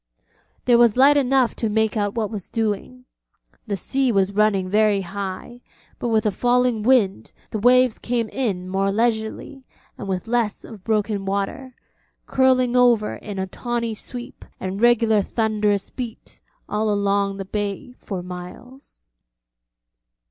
There was light enough to make out what was doing. The sea was running very high, but with the falling wind the waves came in more leisurely and with less of broken water, curling over in a tawny sweep and regular thunderous beat all along the bay for miles.